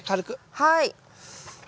はい。